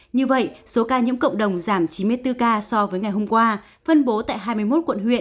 như vậy số ca nhiễm cộng đồng giảm chín mươi bốn ca so với ngày hôm qua phân bố tại hai mươi một quận huyện